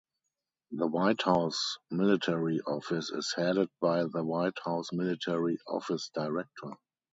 The White House Military Office is headed by the White House Military Office Director.